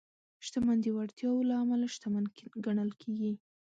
شتمن د وړتیاوو له امله شتمن ګڼل کېږي.